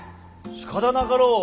しかたなかろう。